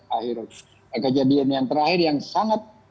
akhir kejadian yang terakhir yang sangat